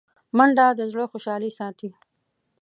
منډه د زړه خوشحال ساتي